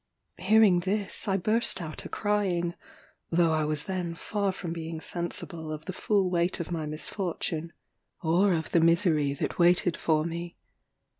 Hearing this I burst out a crying, though I was then far from being sensible of the full weight of my misfortune, or of the misery that waited for me.